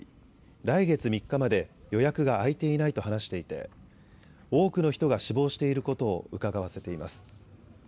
来月３日まで予約が空いていないと話していて多くの人が死亡していることをうかがわせています。